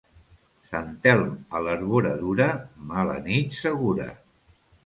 Sant Elm a l'arboradura, mala nit segura.